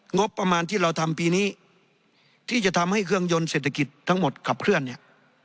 งบประมาณที่เราทำปีนี้ที่จะทำให้เครื่องยนต์เศรษฐกิจทั้งหมดขับเคลื่อนเนี่ย